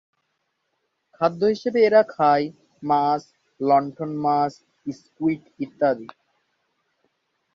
খাদ্য হিসেবে এরা খায় মাছ, লণ্ঠন মাছ, স্কুইড ইত্যাদি।